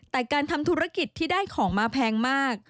แต่การทำธุรกิจที่ได้ของมาแพงมาก